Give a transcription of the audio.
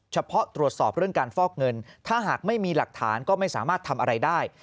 เฉพาะตรวจสอบเรื่องการฟอกเงินถ้าหากไม่มีหลักฐานก็ไม่สามารถทำอะไรได้